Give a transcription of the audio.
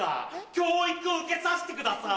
教育を受けさせてください。